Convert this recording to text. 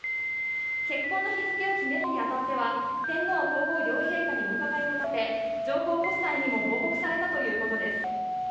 結婚の日付を決めるに当たっては天皇・皇后両陛下にお伺いを立て、上皇ご夫妻にも報告されたということです。